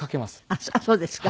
あっそうですか。